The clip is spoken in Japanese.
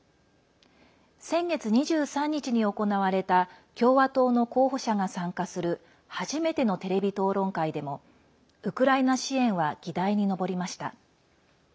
先月２３日に行われた共和党の候補者が参加する初めてのテレビ討論会でもウクライナ支援は議題に上りました。